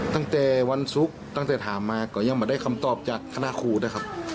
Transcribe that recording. ตั้งแต่วันสุขตั้งแต่ถามมาก็ยังไม่ได้คำตอบจัดภารกรุได้ครับ